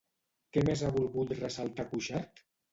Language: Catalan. Què més ha volgut ressaltar Cuixart?